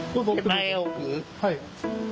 はい。